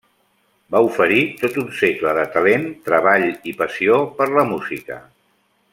Va oferir tot un segle de talent, treball i passió per la música.